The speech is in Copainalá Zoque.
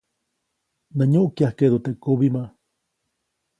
Nä nyuʼkyajkeʼdu teʼ kubimä.